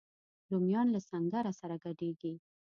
رومیان له سنګره سره ګډیږي